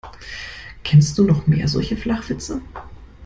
Kennst du noch mehr solche Flachwitze?